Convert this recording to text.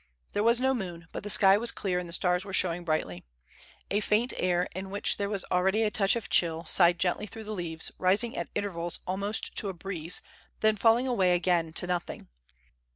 There was no moon, but the sky was clear and the stars were showing brightly. A faint air, in which there was already a touch of chill, sighed gently through the leaves, rising at intervals almost to a breeze, then falling away again to nothing.